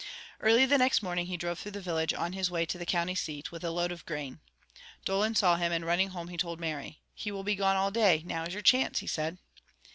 Early the next morning he drove through the village on his way to the county seat, with a load of grain. Dolan saw him and running home he told Mary. "He will be gone all day. Now is your chance!" he said.